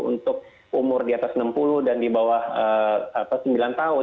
untuk umur di atas enam puluh dan di bawah sembilan tahun